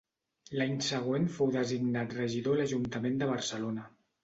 L'any següent fou designat regidor a l'Ajuntament de Barcelona.